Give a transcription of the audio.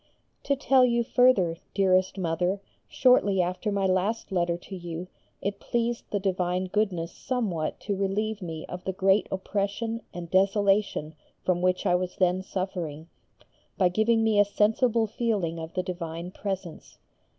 To tell you further, dearest Mother, shortly after my last letter to you it pleased the divine Goodness somewhat to relieve me of the great oppression and desolation from which I was then suffering, by giving me a sensible feeling of the divine presence.